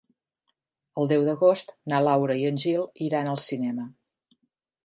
El deu d'agost na Laura i en Gil iran al cinema.